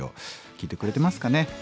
聴いてくれてますかね？